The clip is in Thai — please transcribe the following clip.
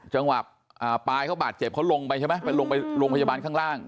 อ่าปายเขาบาดเจ็บเขาลงไปใช่ไหมไปลงไปโรงพยาบาลข้างล่าง